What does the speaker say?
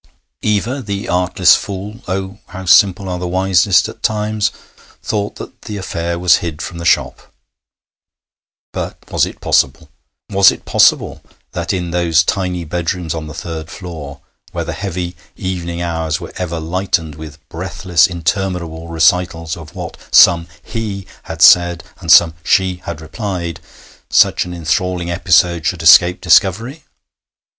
Eva, the artless fool oh, how simple are the wisest at times! thought that the affair was hid from the shop. But was it possible? Was it possible that in those tiny bedrooms on the third floor, where the heavy evening hours were ever lightened with breathless interminable recitals of what some 'he' had said and some 'she' had replied, such an enthralling episode should escape discovery?